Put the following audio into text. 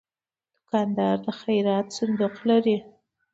دوکاندار د خیراتو صندوق لري.